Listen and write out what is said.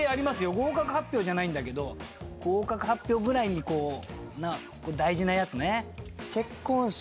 合格発表じゃないんだけど合格発表ぐらいに大事なやつね。